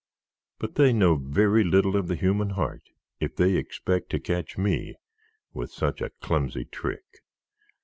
But they know very little of the human heart if they expect to catch me with such a clumsy trick.